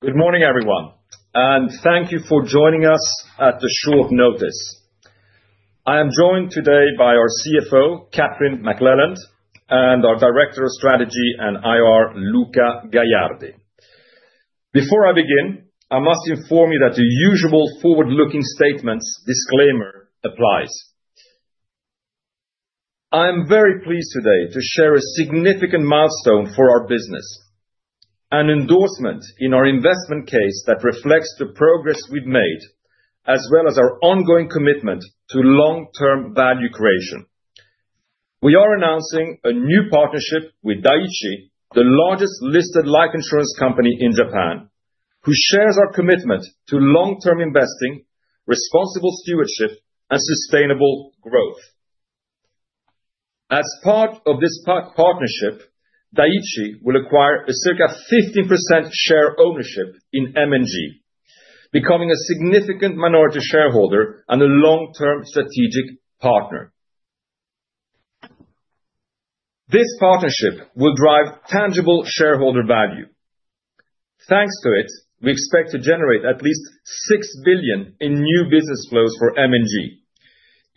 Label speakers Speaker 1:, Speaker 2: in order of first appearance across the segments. Speaker 1: Good morning, everyone, and thank you for joining us at the short notice. I am joined today by our CFO, Kathryn McLeland, and our Director of Strategy and IR, Luca Gagliardi. Before I begin, I must inform you that the usual forward-looking statement disclaimer applies. I am very pleased today to share a significant milestone for our business: an endorsement in our investment case that reflects the progress we've made, as well as our ongoing commitment to long-term value creation. We are announcing a new partnership with Dai-ichi, the largest listed life insurance company in Japan, who shares our commitment to long-term investing, responsible stewardship, and sustainable growth. As part of this partnership, Dai-ichi will acquire a circa 15% share ownership in M&G, becoming a significant minority shareholder and a long-term strategic partner. This partnership will drive tangible shareholder value. Thanks to it, we expect to generate at least $6 billion in new business flows for M&G,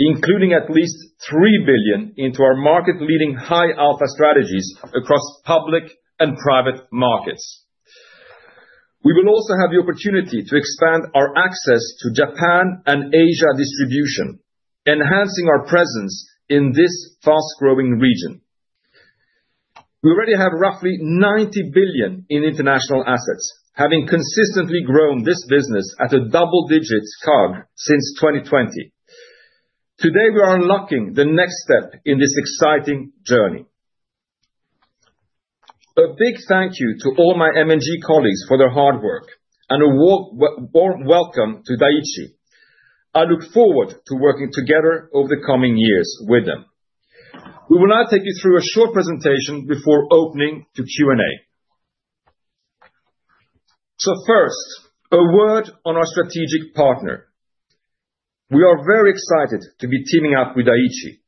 Speaker 1: including at least $3 billion into our market-leading high-alpha strategies across public and private markets. We will also have the opportunity to expand our access to Japan and Asia distribution, enhancing our presence in this fast-growing region. We already have roughly $90 billion in international assets, having consistently grown this business at a double-digit CAGR since 2020. Today, we are unlocking the next step in this exciting journey. A big thank you to all my M&G colleagues for their hard work and a warm welcome to Dai-ichi. I look forward to working together over the coming years with them. We will now take you through a short presentation before opening to Q&A. First, a word on our strategic partner. We are very excited to be teaming up with Dai-ichi,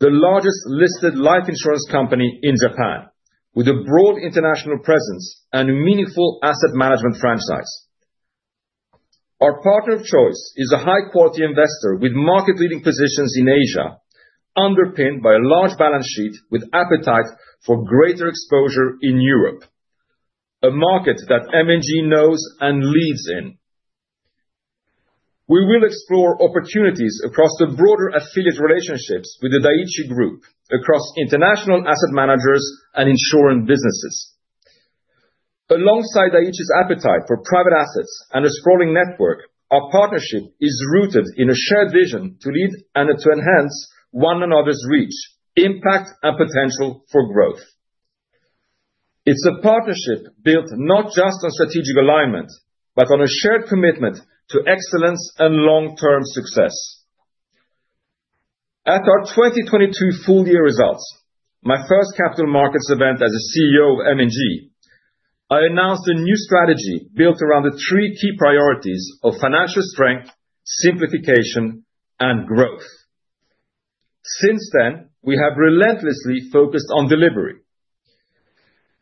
Speaker 1: the largest listed life insurance company in Japan, with a broad international presence and a meaningful asset management franchise. Our partner of choice is a high-quality investor with market-leading positions in Asia, underpinned by a large balance sheet with appetite for greater exposure in Europe, a market that M&G knows and leads in. We will explore opportunities across the broader affiliate relationships with the Dai-ichi Group, across international asset managers and insurance businesses. Alongside Dai-ichi's appetite for private assets and a sprawling network, our partnership is rooted in a shared vision to lead and to enhance one another's reach, impact, and potential for growth. It's a partnership built not just on strategic alignment, but on a shared commitment to excellence and long-term success. At our 2022 full-year results, my first Capital Markets event as CEO of M&G, I announced a new strategy built around the three key priorities of financial strength, simplification, and growth. Since then, we have relentlessly focused on delivery.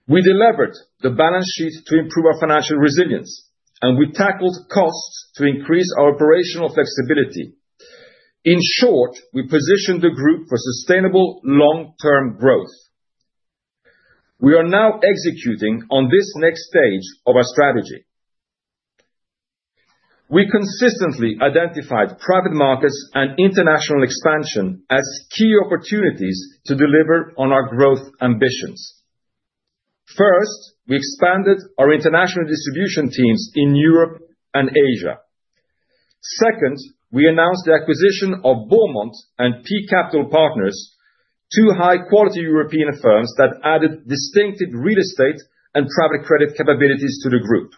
Speaker 1: We delivered the balance sheet to improve our financial resilience, and we tackled costs to increase our operational flexibility. In short, we positioned the Group for sustainable long-term growth. We are now executing on this next stage of our strategy. We consistently identified private markets and international expansion as key opportunities to deliver on our growth ambitions. First, we expanded our international distribution teams in Europe and Asia. Second, we announced the acquisition of Beaumont and PCP, two high-quality European firms that added distinctive real estate and private credit capabilities to the Group.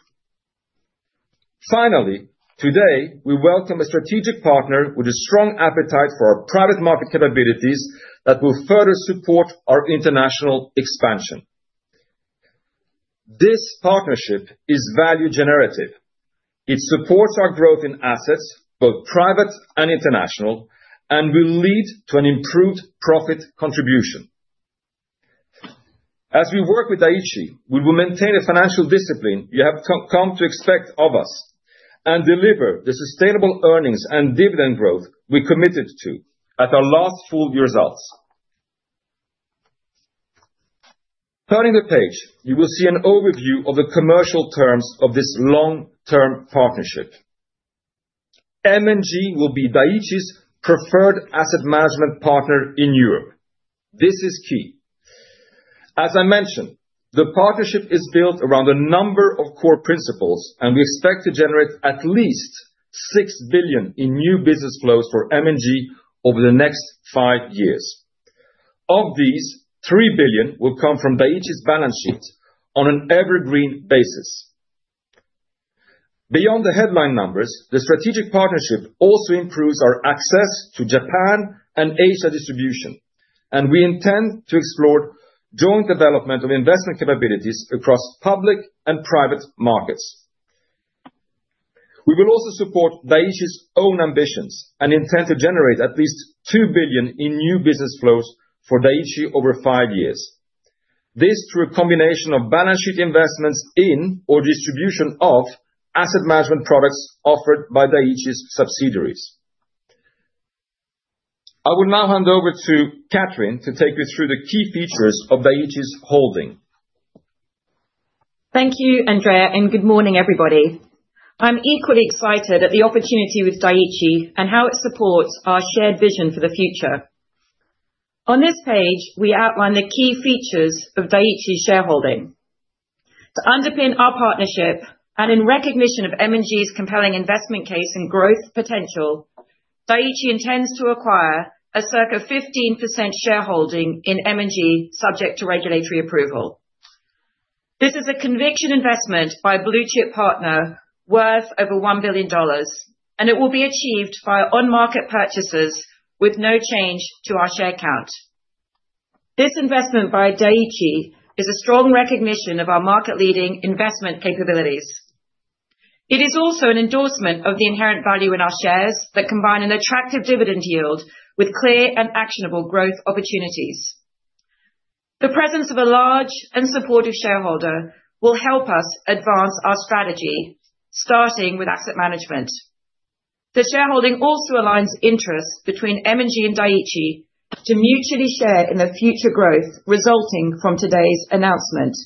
Speaker 1: Finally, today, we welcome a strategic partner with a strong appetite for our private market capabilities that will further support our international expansion. This partnership is value-generative. It supports our growth in assets, both private and international, and will lead to an improved profit contribution. As we work with Dai-ichi, we will maintain the financial discipline you have come to expect of us and deliver the sustainable earnings and dividend growth we committed to at our last full-year results. Turning the page, you will see an overview of the commercial terms of this long-term partnership. M&G will be Dai-ichi's preferred asset management partner in Europe. This is key. As I mentioned, the partnership is built around a number of core principles, and we expect to generate at least $6 billion in new business flows for M&G over the next five years. Of these, $3 billion will come from Dai-ichi's balance sheet on an evergreen basis. Beyond the headline numbers, the strategic partnership also improves our access to Japan and Asia distribution, and we intend to explore joint development of investment capabilities across public and private markets. We will also support Dai-ichi's own ambitions and intend to generate at least $2 billion in new business flows for Dai-ichi over five years. This is through a combination of balance sheet investments in or distribution of asset management products offered by Dai-ichi's subsidiaries. I will now hand over to Kathryn to take you through the key features of Dai-ichi's holding.
Speaker 2: Thank you, Andrea, and good morning, everybody. I'm equally excited at the opportunity with Dai-ichi and how it supports our shared vision for the future. On this page, we outline the key features of Dai-ichi's shareholding. To underpin our partnership and in recognition of M&G's compelling investment case and growth potential, Dai-ichi intends to acquire a circa 15% shareholding in M&G, subject to regulatory approval. This is a conviction investment by a blue-chip partner worth over $1 billion, and it will be achieved via on-market purchases with no change to our share count. This investment by Dai-ichi is a strong recognition of our market-leading investment capabilities. It is also an endorsement of the inherent value in our shares that combine an attractive dividend yield with clear and actionable growth opportunities. The presence of a large and supportive shareholder will help us advance our strategy, starting with asset management. The shareholding also aligns interests between M&G and Dai-ichi to mutually share in the future growth resulting from today's announcement.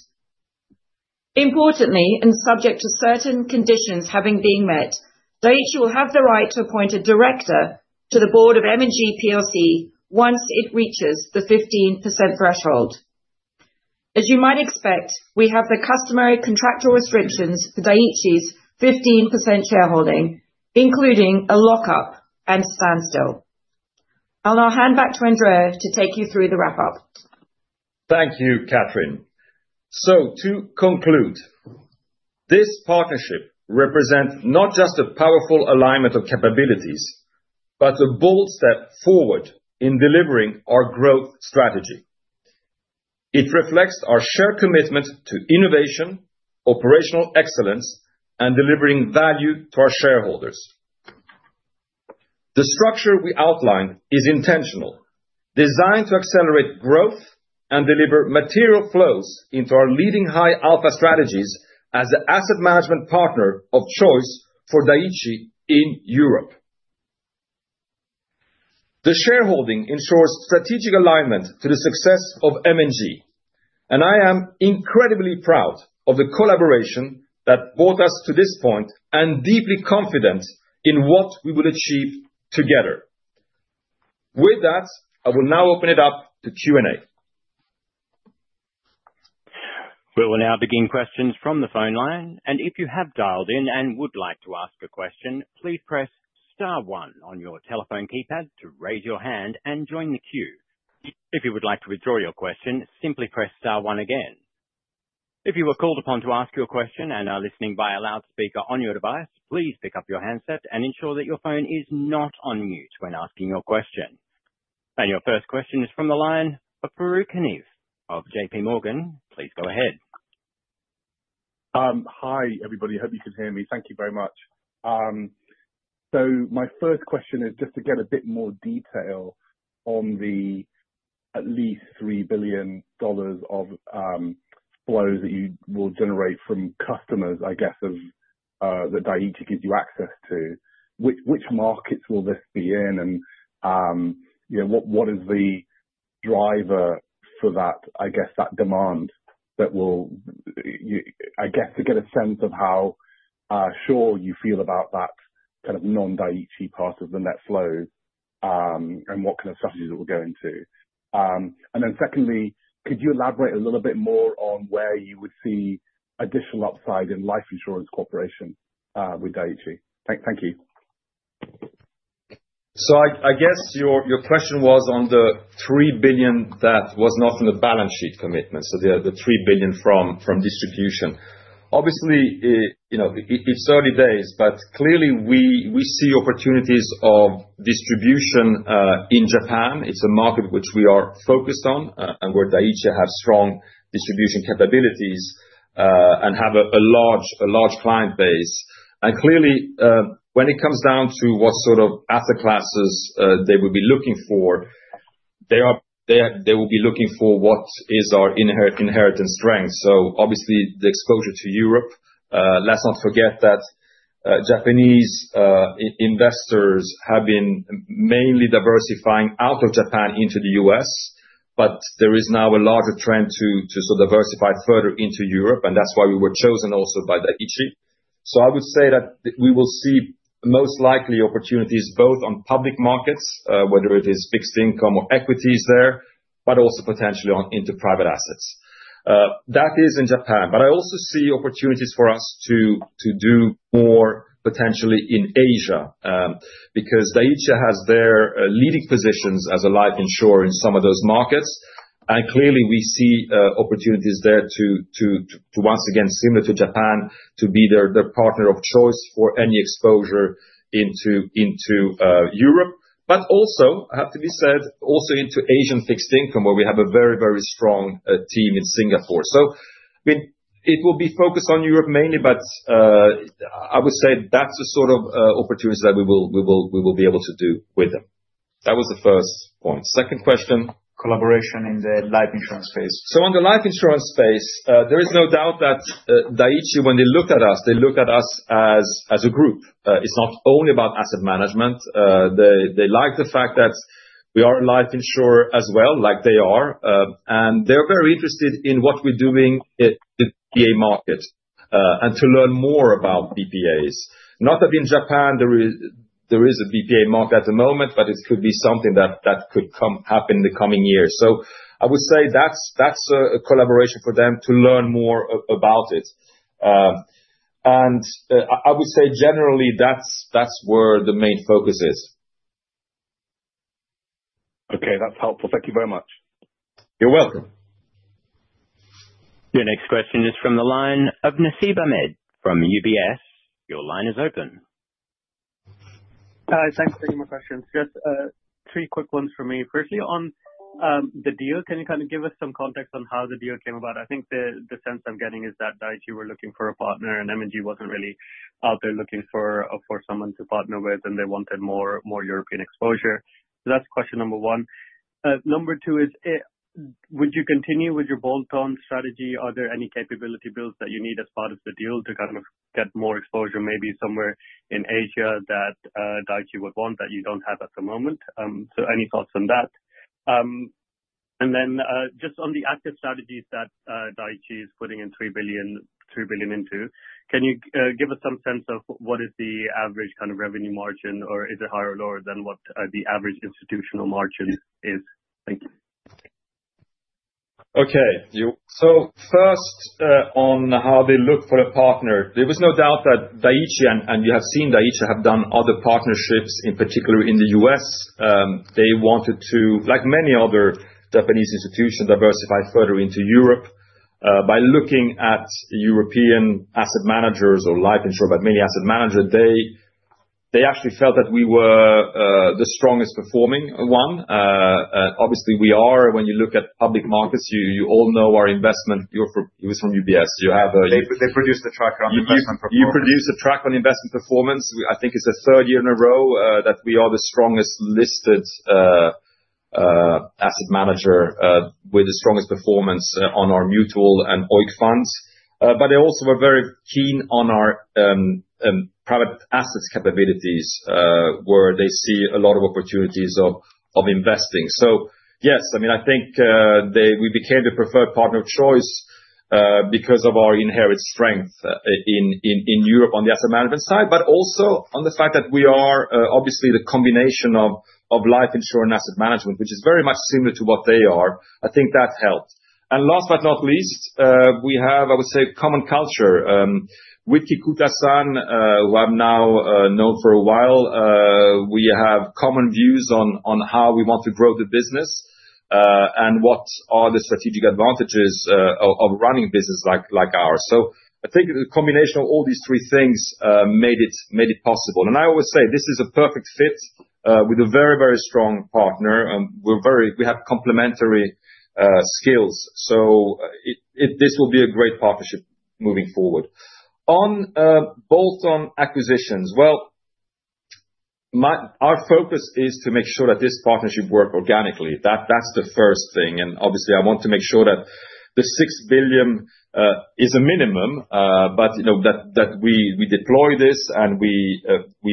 Speaker 2: Importantly, and subject to certain conditions having been met, Dai-ichi will have the right to appoint a director to the board of M&G plc once it reaches the 15% threshold. As you might expect, we have the customary contractual restrictions for Dai-ichi's 15% shareholding, including a lock-up and standstill. I'll now hand back to Andrea to take you through the wrap-up.
Speaker 1: Thank you, Kathryn. To conclude, this partnership represents not just a powerful alignment of capabilities, but a bold step forward in delivering our growth strategy. It reflects our shared commitment to innovation, operational excellence, and delivering value to our shareholders. The structure we outlined is intentional, designed to accelerate growth and deliver material flows into our leading high-alpha strategies as the asset management partner of choice for Dai-ichi in Europe. The shareholding ensures strategic alignment to the success of M&G, and I am incredibly proud of the collaboration that brought us to this point and deeply confident in what we will achieve together. With that, I will now open it up to Q&A.
Speaker 3: We will now begin questions from the phone line, and if you have dialed in and would like to ask a question, please press Star 1 on your telephone keypad to raise your hand and join the queue. If you would like to withdraw your question, simply press Star 1 again. If you are called upon to ask your question and are listening via loudspeaker on your device, please pick up your handset and ensure that your phone is not on mute when asking your question. Your first question is from the line of Farooq Hanif of JPMorgan. Please go ahead.
Speaker 4: Hi, everybody. I hope you can hear me. Thank you very much. My first question is just to get a bit more detail on the at least $3 billion of flows that you will generate from customers, I guess, that Dai-ichi gives you access to. Which markets will this be in, and what is the driver for that, I guess, that demand that will, I guess, to get a sense of how sure you feel about that kind of non-Dai-ichi part of the net flow and what kind of strategies it will go into? Secondly, could you elaborate a little bit more on where you would see additional upside in life insurance cooperation with Dai-ichi? Thank you.
Speaker 1: I guess your question was on the $3 billion that was not in the balance sheet commitment, so the $3 billion from distribution. Obviously, it's early days, but clearly, we see opportunities of distribution in Japan. It's a market which we are focused on and where Dai-ichi has strong distribution capabilities and have a large client base. Clearly, when it comes down to what sort of asset classes they will be looking for, they will be looking for what is our inherent strength. Obviously, the exposure to Europe. Let's not forget that Japanese investors have been mainly diversifying out of Japan into the U.S., but there is now a larger trend to sort of diversify further into Europe, and that's why we were chosen also by Dai-ichi. I would say that we will see most likely opportunities both on public markets, whether it is fixed income or equities there, but also potentially into private assets. That is in Japan. I also see opportunities for us to do more potentially in Asia because Dai-ichi has their leading positions as a life insurer in some of those markets. Clearly, we see opportunities there to, once again, similar to Japan, to be their partner of choice for any exposure into Europe. I have to say, also into Asian fixed income, where we have a very, very strong team in Singapore. It will be focused on Europe mainly, but I would say that's the sort of opportunities that we will be able to do with them. That was the first point. Second question. Collaboration in the life insurance space. On the life insurance space, there is no doubt that Dai-ichi, when they looked at us, they looked at us as a group. It's not only about asset management. They like the fact that we are a life insurer as well, like they are, and they're very interested in what we're doing in the BPA market and to learn more about BPAs. Not that in Japan, there is a BPA market at the moment, but it could be something that could happen in the coming years. I would say that's a collaboration for them to learn more about it. I would say generally, that's where the main focus is.
Speaker 4: Okay, that's helpful. Thank you very much.
Speaker 1: You're welcome.
Speaker 3: Your next question is from the line of Nasib Ahmed from UBS. Your line is open.
Speaker 5: Hi, thanks for your question. Just three quick ones for me. Firstly, on the deal, can you kind of give us some context on how the deal came about? I think the sense I'm getting is that Dai-ichi were looking for a partner, and M&G wasn't really out there looking for someone to partner with, and they wanted more European exposure. That is question number one. Number two is, would you continue with your bolt-on strategy? Are there any capability builds that you need as part of the deal to kind of get more exposure, maybe somewhere in Asia that Dai-ichi would want that you don't have at the moment? Any thoughts on that? Just on the active strategies that Dai-ichi is putting in $3 billion into, can you give us some sense of what is the average kind of revenue margin, or is it higher or lower than what the average institutional margin is? Thank you.
Speaker 1: Okay. First, on how they look for a partner, there was no doubt that Dai-ichi, and you have seen Dai-ichi have done other partnerships, in particular in the U.S., they wanted to, like many other Japanese institutions, diversify further into Europe. By looking at European asset managers or life insurer, but mainly asset manager, they actually felt that we were the strongest performing one. Obviously, we are. When you look at public markets, you all know our investment. He was from UBS. You have. They produce the track on investment performance. They produce the track on investment performance. I think it's the third year in a row that we are the strongest listed asset manager with the strongest performance on our mutual and OIC funds. They also were very keen on our private assets capabilities, where they see a lot of opportunities of investing. Yes, I mean, I think we became the preferred partner of choice because of our inherent strength in Europe on the asset management side, but also on the fact that we are obviously the combination of life insurer and asset management, which is very much similar to what they are. I think that helped. Last but not least, we have, I would say, common culture. With Kikuta-san, who I've now known for a while, we have common views on how we want to grow the business and what are the strategic advantages of running a business like ours. I think the combination of all these three things made it possible. I always say this is a perfect fit with a very, very strong partner. We have complementary skills, so this will be a great partnership moving forward. On bolt-on acquisitions, our focus is to make sure that this partnership works organically. That's the first thing. Obviously, I want to make sure that the $6 billion is a minimum, but that we deploy this and we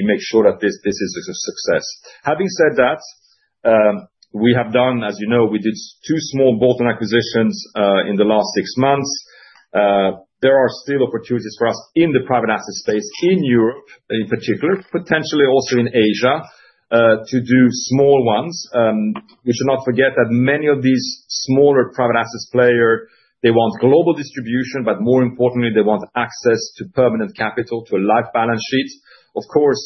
Speaker 1: make sure that this is a success. Having said that, we have done, as you know, we did two small bolt-on acquisitions in the last six months. There are still opportunities for us in the private asset space in Europe in particular, potentially also in Asia, to do small ones. We should not forget that many of these smaller private asset players, they want global distribution, but more importantly, they want access to permanent capital, to a life balance sheet. Of course,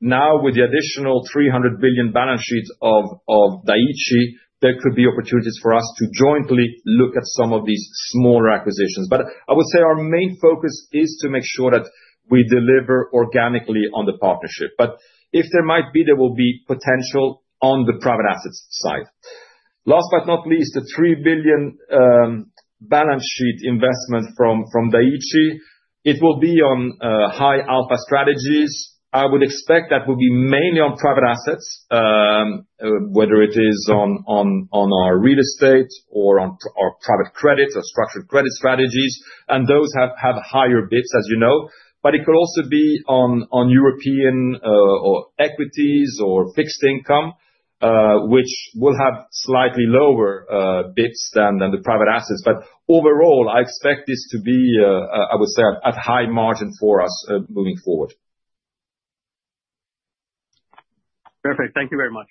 Speaker 1: now with the additional $300 billion balance sheet of Dai-ichi, there could be opportunities for us to jointly look at some of these smaller acquisitions. I would say our main focus is to make sure that we deliver organically on the partnership. If there might be, there will be potential on the private assets side. Last but not least, the $3 billion balance sheet investment from Dai-ichi, it will be on high-alpha strategies. I would expect that will be mainly on private assets, whether it is on our real estate or on our private credit or structured credit strategies, and those have higher basis points, as you know. It could also be on European equities or fixed income, which will have slightly lower basis points than the private assets. Overall, I expect this to be, I would say, at high margin for us moving forward.
Speaker 3: Perfect. Thank you very much.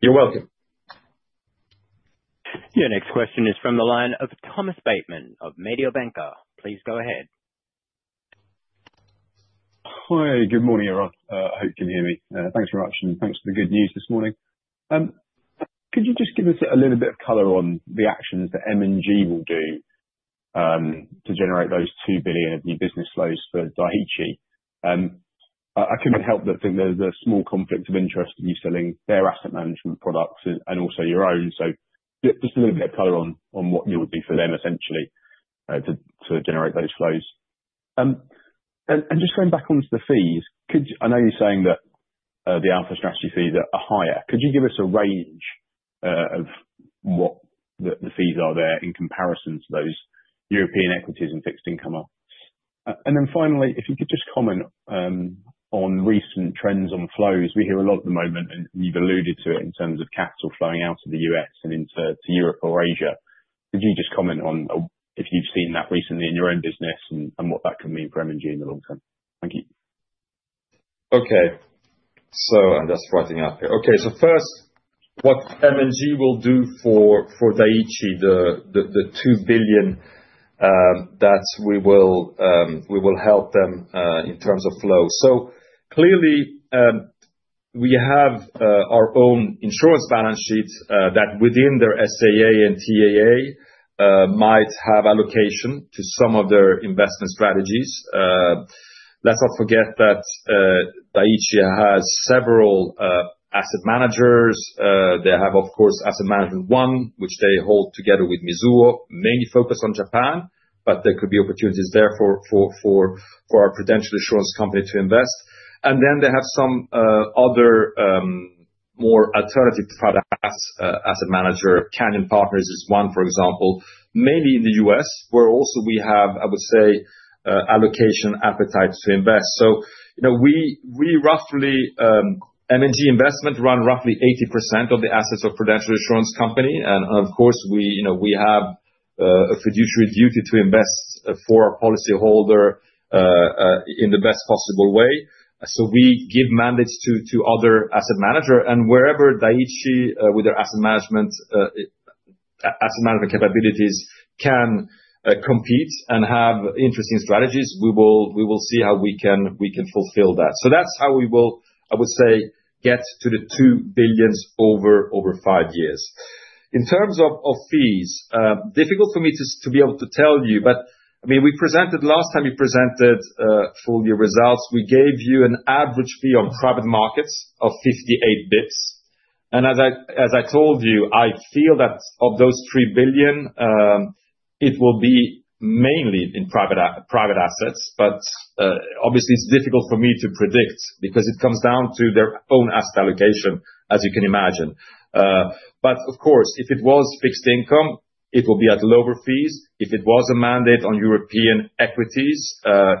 Speaker 1: You're welcome.
Speaker 3: Your next question is from the line of Thomas Bateman of Mediobanca. Please go ahead.
Speaker 6: Hi, good morning, everyone. I hope you can hear me. Thanks very much, and thanks for the good news this morning. Could you just give us a little bit of color on the actions that M&G will do to generate those $2 billion of new business flows for Dai-ichi? I could not help but think there is a small conflict of interest in you selling their asset management products and also your own. Just a little bit of color on what you would do for them, essentially, to generate those flows. Just going back onto the fees, I know you are saying that the alpha strategy fees are higher. Could you give us a range of what the fees are there in comparison to those European equities and fixed income? Finally, if you could just comment on recent trends on flows. We hear a lot at the moment, and you've alluded to it in terms of capital flowing out of the U.S. and into Europe or Asia. Could you just comment on if you've seen that recently in your own business and what that could mean for M&G in the long term? Thank you.
Speaker 1: Okay. So I'm just writing up here. Okay. So first, what M&G will do for Dai-ichi, the $2 billion that we will help them in terms of flow. Clearly, we have our own insurance balance sheets that within their SAA and TAA might have allocation to some of their investment strategies. Let's not forget that Dai-ichi has several asset managers. They have, of course, Asset Management One, which they hold together with Mizuho, mainly focused on Japan, but there could be opportunities there for our Prudential Insurance Company to invest. They have some other more alternative private asset manager. Canyon Partners is one, for example, mainly in the U.S., where also we have, I would say, allocation appetite to invest. We roughly, M&G Investment run roughly 80% of the assets of Prudential Insurance Company. Of course, we have a fiduciary duty to invest for our policyholder in the best possible way. We give mandates to other asset managers. Wherever Dai-ichi with their asset management capabilities can compete and have interesting strategies, we will see how we can fulfill that. That is how we will, I would say, get to the $2 billion over five years. In terms of fees, difficult for me to be able to tell you, but I mean, we presented last time you presented for your results, we gave you an average fee on private markets of 58 basis points. As I told you, I feel that of those $3 billion, it will be mainly in private assets. Obviously, it is difficult for me to predict because it comes down to their own asset allocation, as you can imagine. Of course, if it was fixed income, it will be at lower fees. If it was a mandate on European equities,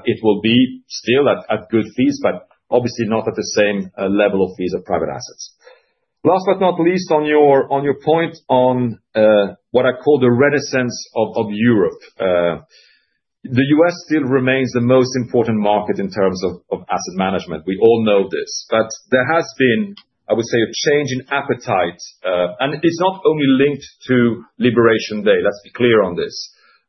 Speaker 1: it will be still at good fees, but obviously not at the same level of fees of private assets. Last but not least, on your point on what I call the renaissance of Europe, the U.S. still remains the most important market in terms of asset management. We all know this. There has been, I would say, a change in appetite. It is not only linked to Liberation Day. Let's be clear on this.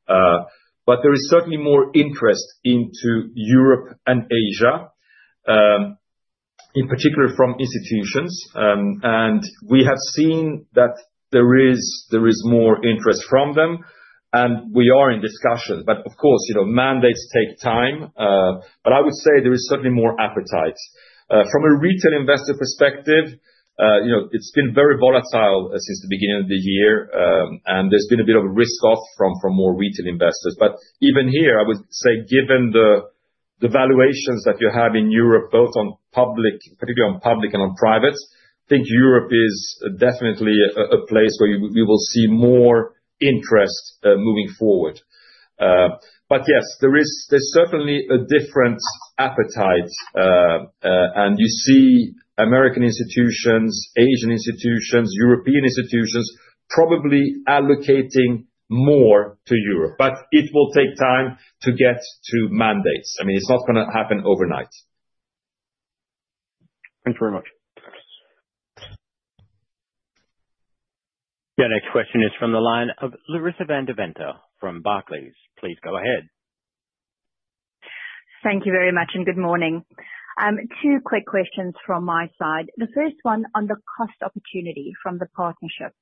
Speaker 1: There is certainly more interest into Europe and Asia, in particular from institutions. We have seen that there is more interest from them, and we are in discussion. Mandates take time. I would say there is certainly more appetite. From a retail investor perspective, it's been very volatile since the beginning of the year, and there's been a bit of a risk-off from more retail investors. Even here, I would say, given the valuations that you have in Europe, both on public, particularly on public and on private, I think Europe is definitely a place where we will see more interest moving forward. Yes, there's certainly a different appetite. You see American institutions, Asian institutions, European institutions probably allocating more to Europe. It will take time to get to mandates. I mean, it's not going to happen overnight.
Speaker 6: Thanks very much.
Speaker 3: Your next question is from the line of Larissa van Deventer from Barclays. Please go ahead.
Speaker 7: Thank you very much, and good morning. Two quick questions from my side. The first one on the cost opportunity from the partnership.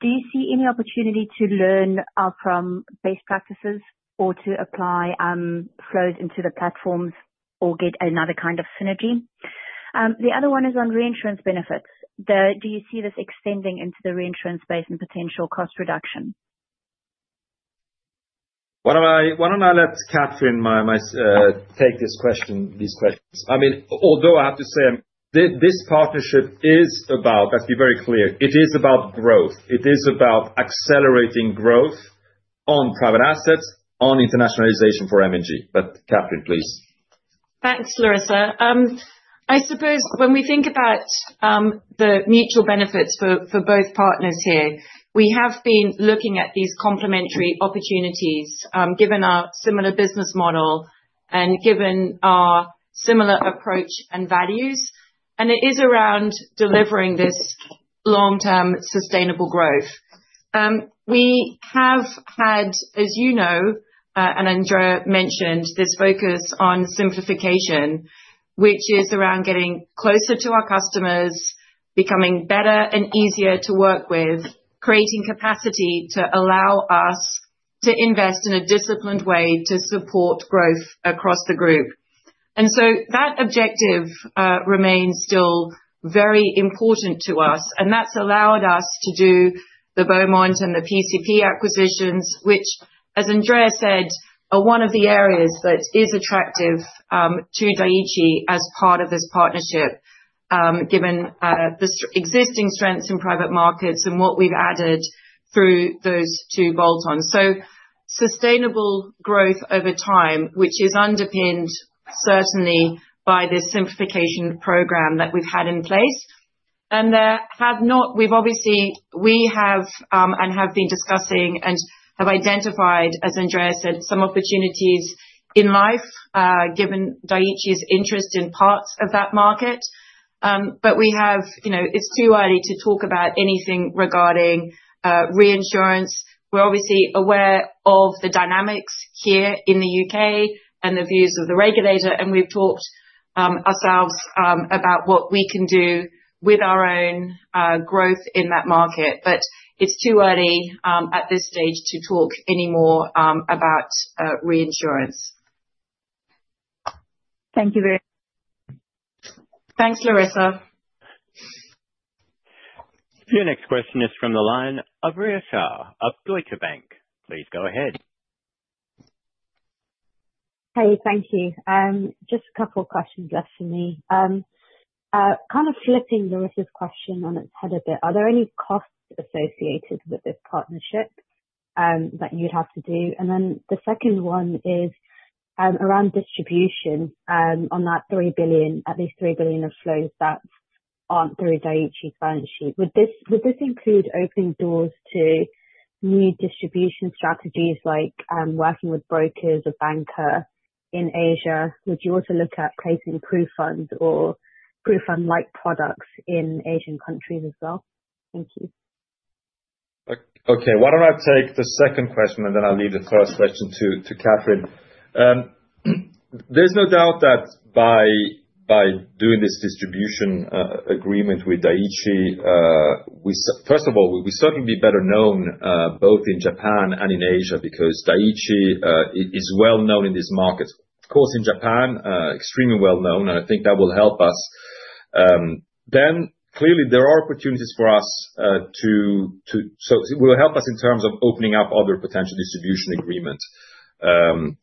Speaker 7: Do you see any opportunity to learn from best practices or to apply flows into the platforms or get another kind of synergy? The other one is on reinsurance benefits. Do you see this extending into the reinsurance space and potential cost reduction?
Speaker 1: Why don't I let Kathryn take these questions? I mean, although I have to say this partnership is about, let's be very clear, it is about growth. It is about accelerating growth on private assets, on internationalization for M&G. But Kathryn, please.
Speaker 2: Thanks, Larissa. I suppose when we think about the mutual benefits for both partners here, we have been looking at these complementary opportunities given our similar business model and given our similar approach and values. It is around delivering this long-term sustainable growth. We have had, as you know, and Andrea mentioned, this focus on simplification, which is around getting closer to our customers, becoming better and easier to work with, creating capacity to allow us to invest in a disciplined way to support growth across the group. That objective remains still very important to us. That has allowed us to do the Beaumont PCP acquisitions, which, as Andrea said, are one of the areas that is attractive to Dai-ichi Life as part of this partnership, given the existing strengths in private markets and what we have added through those two bolt-ons. Sustainable growth over time, which is underpinned certainly by this simplification program that we've had in place. We've obviously and have been discussing and have identified, as Andrea said, some opportunities in life, given Dai-ichi's interest in parts of that market. It's too early to talk about anything regarding reinsurance. We're obviously aware of the dynamics here in the U.K. and the views of the regulator. We've talked ourselves about what we can do with our own growth in that market. It's too early at this stage to talk anymore about reinsurance.
Speaker 7: Thank you very much.
Speaker 2: Thanks, Larissa.
Speaker 3: Your next question is from the line of Rhea Shah of Deutsche Bank. Please go ahead.
Speaker 8: Hi, thank you. Just a couple of questions left for me. Kind of flipping Larissa's question on its head a bit, are there any costs associated with this partnership that you'd have to do? The second one is around distribution on that $3 billion, at least $3 billion of flows that aren't through Dai-ichi's balance sheet. Would this include opening doors to new distribution strategies like working with brokers or banker in Asia? Would you also look at placing PruFund or PruFund-like products in Asian countries as well? Thank you.
Speaker 1: Okay. Why don't I take the second question, and then I'll leave the first question to Kathryn. There's no doubt that by doing this distribution agreement with Dai-ichi, first of all, we certainly will be better known both in Japan and in Asia because Dai-ichi is well known in this market. Of course, in Japan, extremely well known, and I think that will help us. Clearly, there are opportunities for us, so it will help us in terms of opening up other potential distribution agreements.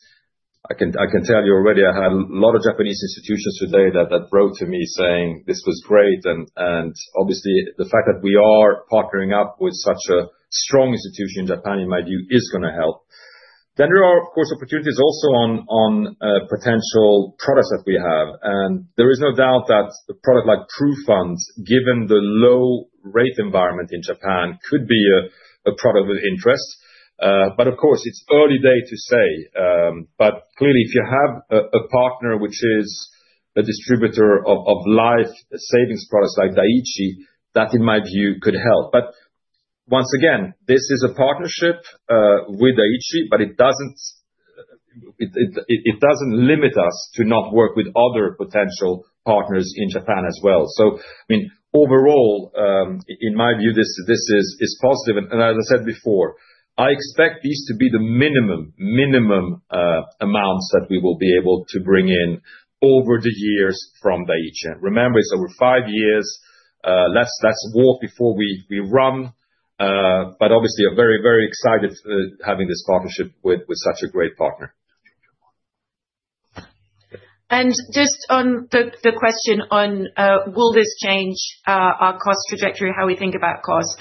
Speaker 1: I can tell you already, I had a lot of Japanese institutions today that wrote to me saying, "This was great." Obviously, the fact that we are partnering up with such a strong institution in Japan, in my view, is going to help. There are, of course, opportunities also on potential products that we have. There is no doubt that a product like Pru Funds, given the low-rate environment in Japan, could be a product with interest. Of course, it's early day to say. Clearly, if you have a partner which is a distributor of life savings products like Dai-ichi, that in my view could help. Once again, this is a partnership with Dai-ichi, but it does not limit us to not work with other potential partners in Japan as well. I mean, overall, in my view, this is positive. As I said before, I expect these to be the minimum amounts that we will be able to bring in over the years from Dai-ichi. Remember, it is over five years. Let's walk before we run. Obviously, I am very, very excited having this partnership with such a great partner.
Speaker 2: On the question of will this change our cost trajectory, how we think about cost,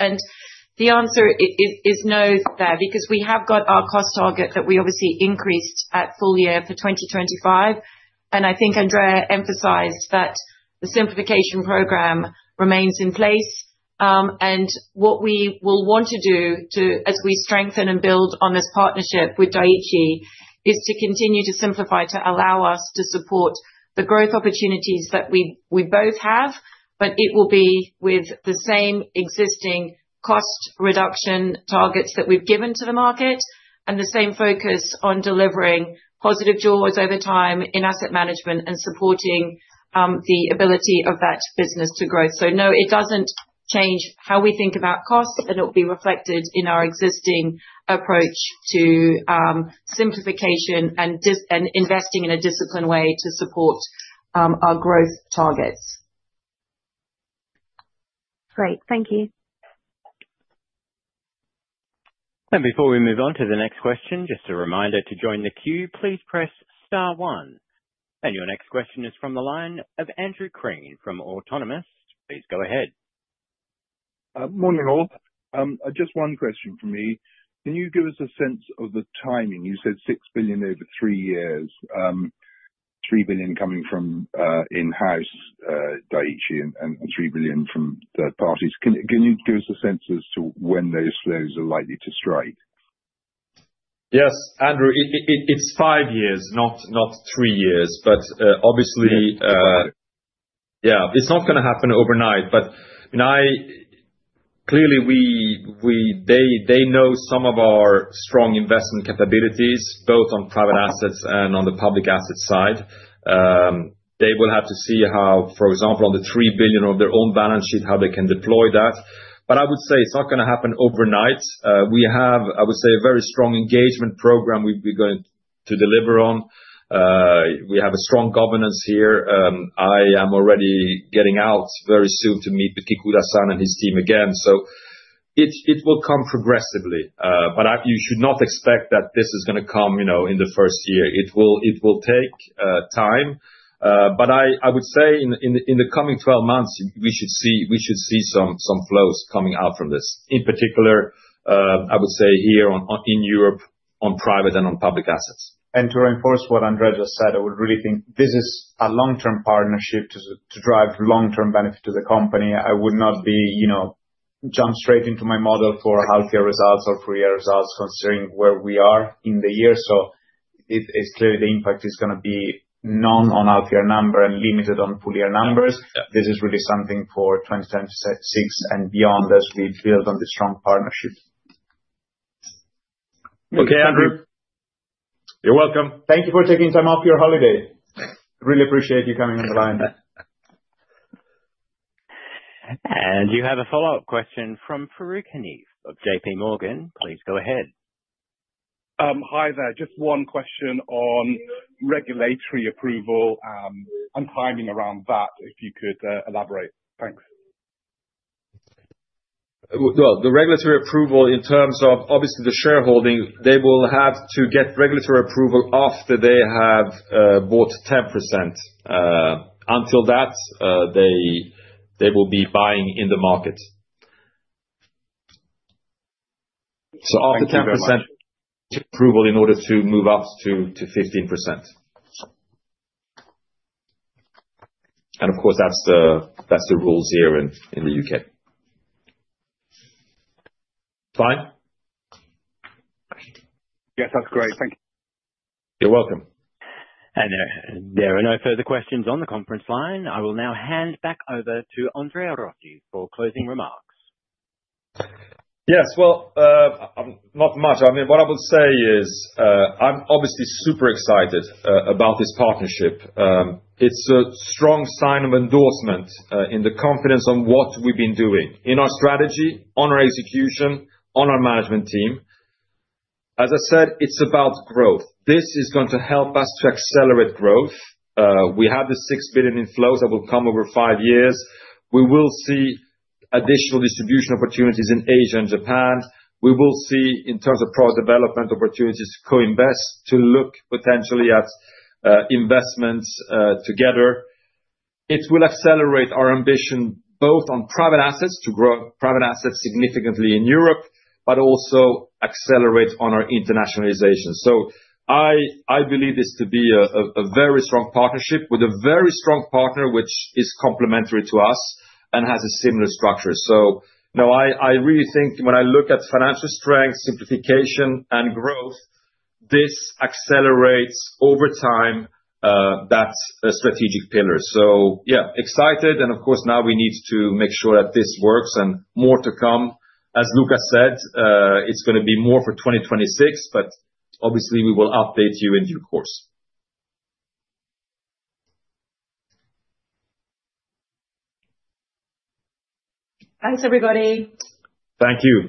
Speaker 2: the answer is no there because we have got our cost target that we obviously increased at full year for 2025. I think Andrea emphasized that the simplification program remains in place. What we will want to do as we strengthen and build on this partnership with Dai-ichi is to continue to simplify to allow us to support the growth opportunities that we both have. It will be with the same existing cost reduction targets that we have given to the market and the same focus on delivering positive draws over time in asset management and supporting the ability of that business to grow. No, it doesn't change how we think about costs, and it will be reflected in our existing approach to simplification and investing in a disciplined way to support our growth targets.
Speaker 7: Great. Thank you.
Speaker 3: Before we move on to the next question, just a reminder to join the queue, please press star one. Your next question is from the line of [Andrew Crane] from Autonomous. Please go ahead. Morning all. Just one question from me. Can you give us a sense of the timing? You said $6 billion over three years, $3 billion coming from in-house Dai-ichi and $3 billion from third parties. Can you give us a sense as to when those flows are likely to strike?
Speaker 1: Yes, Andrew, it's five years, not three years. Obviously, yeah, it's not going to happen overnight. Clearly, they know some of our strong investment capabilities, both on private assets and on the public asset side. They will have to see how, for example, on the $3 billion of their own balance sheet, how they can deploy that. I would say it's not going to happen overnight. We have, I would say, a very strong engagement program we're going to deliver on. We have a strong governance here. I am already getting out very soon to meet with Kikuta-san and his team again. It will come progressively. You should not expect that this is going to come in the first year. It will take time. I would say in the coming 12 months, we should see some flows coming out from this, in particular, I would say here in Europe on private and on public assets.
Speaker 9: To reinforce what Andrea just said, I would really think this is a long-term partnership to drive long-term benefit to the company. I would not jump straight into my model for healthier results or for year results considering where we are in the year. It is clear the impact is going to be non on healthier number and limited on full year numbers. This is really something for 2026 and beyond as we build on this strong partnership.
Speaker 1: Okay, Andrea. You're welcome.
Speaker 9: Thank you for taking time off your holiday. Really appreciate you coming on the line.
Speaker 3: You have a follow-up question from Farooq Hanif of JPMorgan. Please go ahead.
Speaker 4: Hi there. Just one question on regulatory approval and timing around that, if you could elaborate. Thanks.
Speaker 1: The regulatory approval in terms of obviously the shareholding, they will have to get regulatory approval after they have bought 10%. Until that, they will be buying in the market. After 10% approval in order to move up to 15%. Of course, that's the rules here in the U.K. Fine?
Speaker 4: Yes, that's great. Thank you.
Speaker 1: You're welcome.
Speaker 3: There are no further questions on the conference line. I will now hand back over to Andrea Rocchi for closing remarks.
Speaker 1: Yes. Not much. I mean, what I would say is I'm obviously super excited about this partnership. It's a strong sign of endorsement in the confidence on what we've been doing in our strategy, on our execution, on our management team. As I said, it's about growth. This is going to help us to accelerate growth. We have the $6 billion in flows that will come over five years. We will see additional distribution opportunities in Asia and Japan. We will see, in terms of product development opportunities, co-invest to look potentially at investments together. It will accelerate our ambition both on private assets to grow private assets significantly in Europe, but also accelerate on our internationalization. I believe this to be a very strong partnership with a very strong partner which is complementary to us and has a similar structure. No, I really think when I look at financial strength, simplification, and growth, this accelerates over time that strategic pillar. Yeah, excited. Of course, now we need to make sure that this works and more to come. As Luca said, it's going to be more for 2026, but obviously, we will update you in due course.
Speaker 2: Thanks, everybody.
Speaker 1: Thank you.